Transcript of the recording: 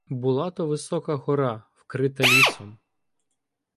Була то висока гора, вкрита лісом.